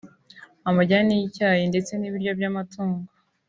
amajyani y’icyayi ndetse n’ibiryo by’amatungo